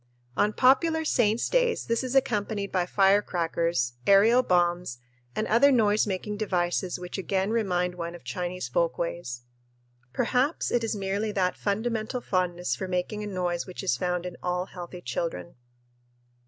On popular saints' days this is accompanied by firecrackers, aerial bombs, and other noise making devices which again remind one of Chinese folkways. Perhaps it is merely that fundamental fondness for making a noise which is found in all healthy children.